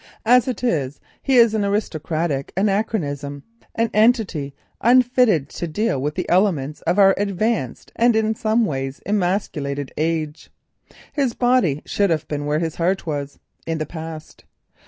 As it is, he is an aristocratic anachronism, an entity unfitted to deal with the elements of our advanced and in some ways emasculated age. His body should have been where his heart was—in the past.